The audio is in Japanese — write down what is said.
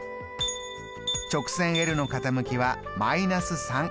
直線ｌの傾きは−３。